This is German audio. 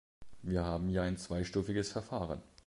Wir haben ja ein zweistufiges Verfahren.